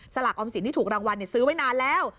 ออมสินที่ถูกรางวัลซื้อไว้นานแล้ว